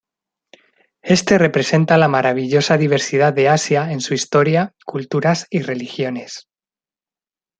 Este representa la maravillosa diversidad de Asia en su historia, culturas y religiones.